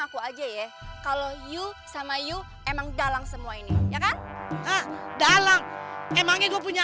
aku aja ya kalau yu sama yu emang dalang semua ini ya kan dalang emangnya gue punya